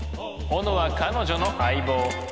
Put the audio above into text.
オノは彼女の相棒。